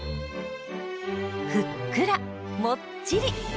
ふっくらもっちり！